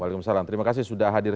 waalaikumsalam terima kasih sudah hadir